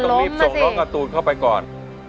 ต้องรีบส่งน้องการ์ตูนเข้าไปก่อน